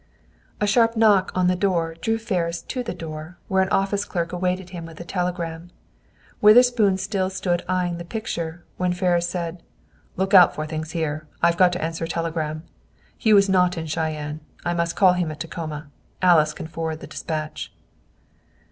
A sharp knock on the door drew Ferris to the door, where an office clerk awaited him with a telegram. Witherspoon still stood eying the picture, when Ferris said, "Look out for things here. I've got to answer a telegram. Hugh is not at Cheyenne. I must call him at Tacoma. Alice can forward the dispatch."